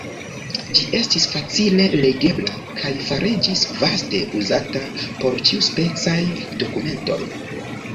Ĝi estis facile legebla kaj fariĝis vaste uzata por ĉiuspecaj dokumentoj.